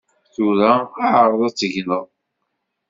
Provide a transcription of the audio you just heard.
Tura ɛreḍ ad tegneḍ.